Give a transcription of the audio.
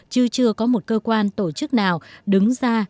chứ chưa có một cơ quan tổ chức nào đứng ra